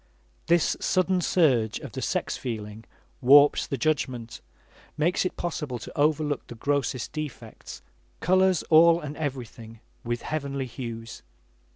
This sudden surge of the sex feeling warps the judgment, makes it possible to overlook the grossest defects, colors all and everything with heavenly hues.